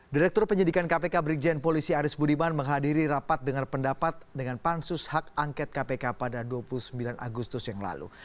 direktur penyidikan kpk brigjen polisi aris budiman menghadiri rapat dengar pendapat dengan pansus hak angket kpk pada dua puluh sembilan agustus yang lalu